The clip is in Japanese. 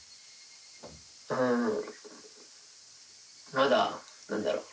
まだ何だろう。